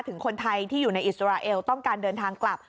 ถึงคนไทยที่อยู่ในอิสราเอลต้องการเดินทางกลับ